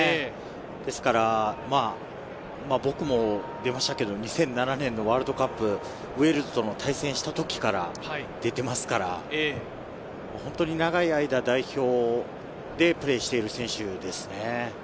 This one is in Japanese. ですから、僕も出ましたけど、２００７年のワールドカップ、ウェールズと対戦した時から、出ていますから、本当に長い間代表でプレーしている選手ですね。